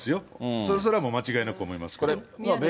それはもう間違いなく思いますけど。